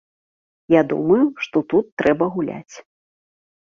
Я думаю, што тут трэба гуляць.